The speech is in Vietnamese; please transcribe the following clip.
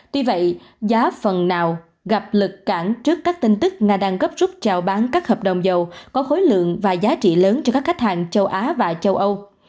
tuy vậy giá phần nào gặp lực cản trước các tin tức nga đang gấp rút trào bán các hợp đồng dầu có khối lượng và giá trị lớn cho các khách hàng châu á và châu âu